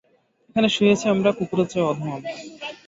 এখানে শুয়ে আছি আমরা, কুকুরের চেয়েও অধম আমরা।